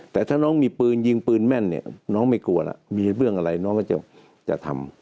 แต่ถ้าน้องมีปืนยิงปืนแม่นเนี่ยน้องไม่กลัวล่ะมีเรื่องอะไรน้องก็จะทำ